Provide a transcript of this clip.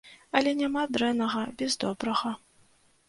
Але няма дрэннага без добрага.